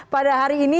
pada hari ini